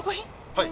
はい。